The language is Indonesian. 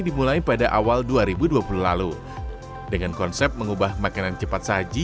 dimulai pada awal dua ribu dua puluh lalu dengan konsep mengubah makanan cepat saji